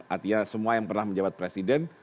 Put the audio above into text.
artinya semua yang pernah menjabat presiden